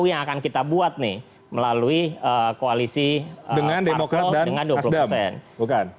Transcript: itu yang akan kita buat nih melalui koalisi dengan demokrat dan asdam